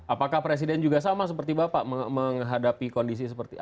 apakah presiden juga sama seperti bapak menghadapi kondisi seperti ini